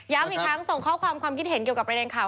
อีกครั้งส่งข้อความความคิดเห็นเกี่ยวกับประเด็นข่าว